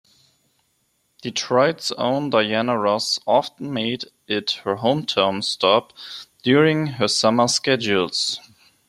Detroit's own Diana Ross often made it her hometown stop during her summer schedules.